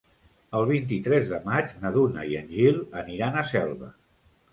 El vint-i-tres de maig na Duna i en Gil aniran a Selva.